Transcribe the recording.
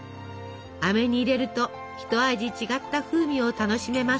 あめに入れると一味違った風味を楽しめます。